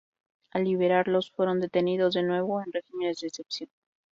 Al liberarlos fueron detenidos de nuevo en regímenes de excepción.